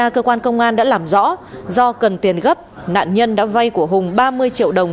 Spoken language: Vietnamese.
cơ quan công an đã làm rõ do cần tiền gấp nạn nhân đã vay của hùng ba mươi triệu đồng